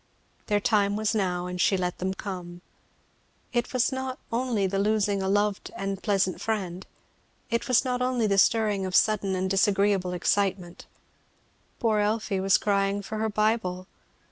Their time was now and she let them come. It was not only the losing a loved and pleasant friend, it was not only the stirring of sudden and disagreeable excitement; poor Elfie was crying for her Bible.